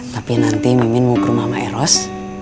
tapi nanti mimin mau ke rumah maeros